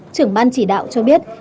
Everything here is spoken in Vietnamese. trưởng ban chỉ đạo cho biết